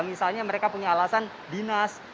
misalnya mereka punya alasan dinas